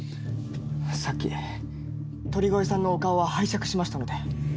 さっき鳥越さんのお顔は拝借しましたので。